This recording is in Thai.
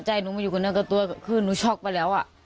ใจนุมันอยู่กับนั่นกับตัวคือนุช็อกไปแล้วอ่ะ